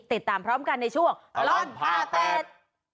ติดตามพร้อมกันในช่วงตลอดพาเต็ด